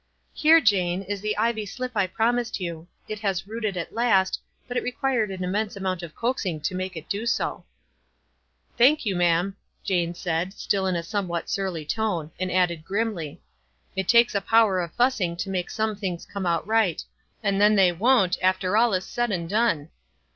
"Plere, Jane, is the ivy slip I promised you ; it has rooted at last, but it required an immense amount of coaxing to make it do so." 154 WISE AND OTHERWISE. "Thank you, ma'am," Jane said, still in a somewhat surly tone, and added, grimly, "It takes a power of fussing to make some things come out right, and then they won't, after all is said and done."